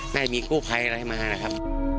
ไม่มีคู่ไพรอะไรมานะครับ